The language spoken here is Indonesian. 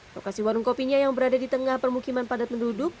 lokasi warung kopinya yang berada di tengah permukiman padat penduduk